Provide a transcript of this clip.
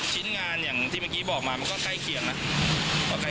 ชิ้นงานอย่างที่เมื่อกี้บอกมามันก็ใกล้เคียงนะ